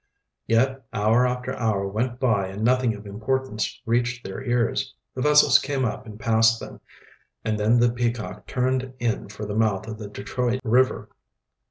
Yet hour after hour went by and nothing of importance reached their ears. The vessels came up and passed them, and then the Peacock turned in for the mouth of the Detroit River.